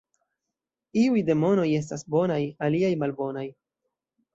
Iuj demonoj estas bonaj, aliaj malbonaj.